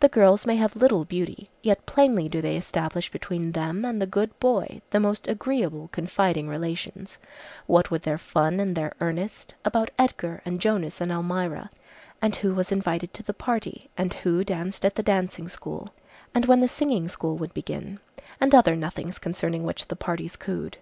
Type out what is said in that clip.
The girls may have little beauty, yet plainly do they establish between them and the good boy the most agreeable, confiding relations, what with their fun and their earnest, about Edgar and Jonas and Almira, and who was invited to the party, and who danced at the dancing school, and when the singing school would begin, and other nothings concerning which the parties cooed.